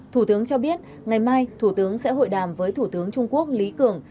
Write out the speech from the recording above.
thủ tướng cho biết ngày mai thủ tướng sẽ hội đàm với thủ tướng trung quốc lý cường